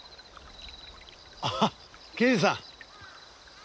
ああ刑事さん。